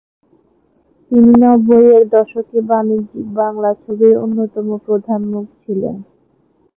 তিনি নব্বইয়ের দশকে বাণিজ্যিক বাংলা ছবির অন্যতম প্রধান মুখ ছিলেন।